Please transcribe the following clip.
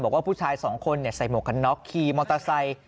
ผู้ชายสองคนใส่หมวกกันน็อกขี่มอเตอร์ไซค์